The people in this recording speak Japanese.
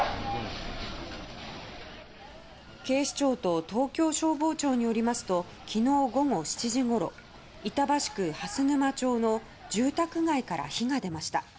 警視庁と東京消防庁によりますと昨日午後７時ごろ板橋区蓮沼町の住宅街から火が出ました。